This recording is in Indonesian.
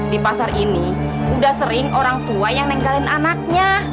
di pasar ini udah sering orang tua yang nenggalin anaknya